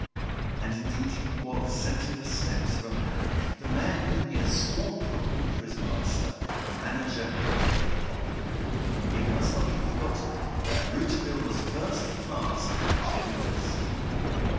And, indeed, he was scenting the steps of a man, the man whom he has sworn to report to his master, the manager of the "Epoque." It must not be forgotten that Rouletabille was first and last a journalist.